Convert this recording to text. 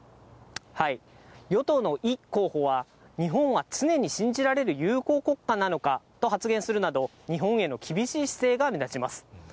与党のイ候補は、日本は常に信じられる友好国家なのかと発言するなど、日本への厳しい姿勢が目立ちます。